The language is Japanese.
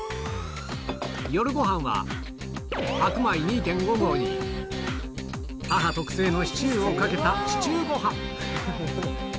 夜ごはんは白米２．５合に、母特製のシチューをかけたシチューごはん。